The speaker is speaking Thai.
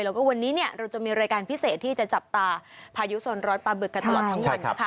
แล้วก็วันนี้เราจะมีรายการพิเศษที่จะจับตาพายุสนรสปลาบึกกันตลอดทุกวัน